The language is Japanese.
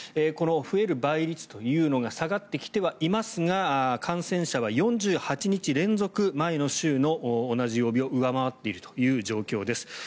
この増える倍率というのが下がってきてはいますが感染者は４８日連続前の週の同じ曜日を上回っている状況です。